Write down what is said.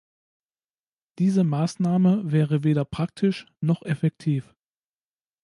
Diese Maßnahme wäre weder praktisch noch effektiv.